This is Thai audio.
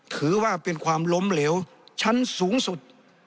ถือว่าเป็นความล้มเหลวชั้นสูงสุด